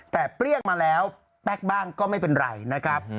แต่เปรี้ยงมาแล้วแป๊กบ้างก็ไม่เป็นไรนะครับ